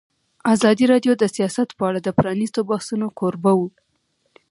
ازادي راډیو د سیاست په اړه د پرانیستو بحثونو کوربه وه.